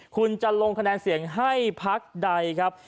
คุณจะลงคะแนนเสียงให้พักใดครับ